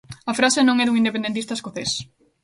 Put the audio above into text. A frase non é dun independentista escocés.